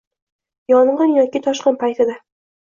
Yong‘in yoki toshqin paytida